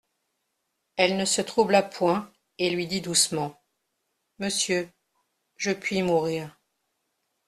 Elle ne se troubla point et lui dit doucement : «Monsieur, je puis mourir.